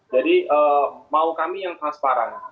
jadi mau kami yang transparan